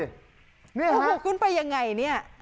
โอ้โหขึ้นไปยังไงเนี่ย